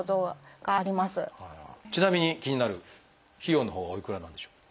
ちなみに気になる費用のほうはおいくらなんでしょう？